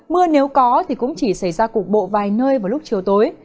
mưa nếu có thì cũng chỉ xảy ra cục bộ vài nơi vào lúc chiều tối